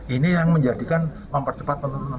ini yang menjadikan mempercepat penurunan